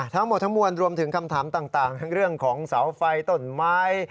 ทั้งหมดทั้งมวลรวมถึงคำถามต่างทั้งเรื่องของเสาไฟต้นไม้